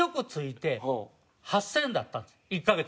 １カ月。